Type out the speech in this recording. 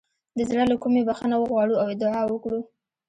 د زړه له کومې بخښنه وغواړو او دعا وکړو.